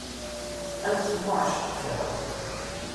Ad nesmuɛceq kra.